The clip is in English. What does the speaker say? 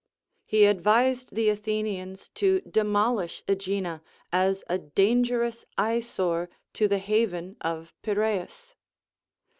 He advised tlie Athenians to demolish Aegina, as a dangerous eyesore to the haven of Piraeus.